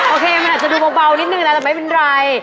โอเคมันอาจจะดูเบานิดนึงนะแต่ไม่เป็นไร